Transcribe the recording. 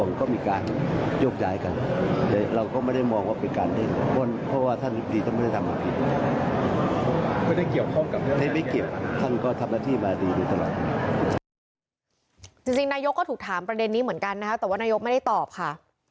นายก็ถูกถามประเด็นนี้เหมือนกันแต่ว่านายกไม่ได้ตอบค่ะ